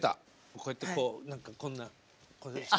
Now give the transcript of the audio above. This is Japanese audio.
こうやってこう何かこんなこんなして。